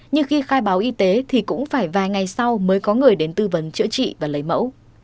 nhưng khi khai báo y tế thì cũng phải vài ngày sau mới có người đến tư vấn chữa trị và lấy mẫu